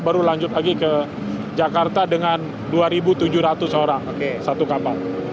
baru lanjut lagi ke jakarta dengan dua tujuh ratus orang satu kapal